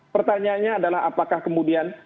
pertanyaannya adalah apakah kemudian